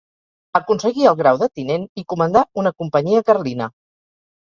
Aconseguí el grau de tinent i comandà una companyia carlina.